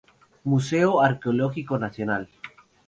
Museo Arqueológico Nacional.